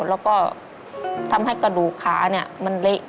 แล้วก็ทำให้กระดูกขามันเละ